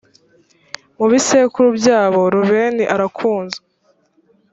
mu bisekuru byabo rubeni arakunzwe